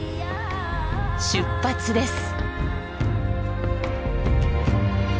出発です。